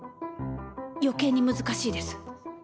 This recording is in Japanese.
余計に難しいです。